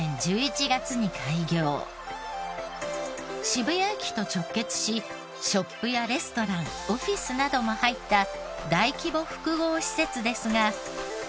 渋谷駅と直結しショップやレストランオフィスなども入った大規模複合施設ですが。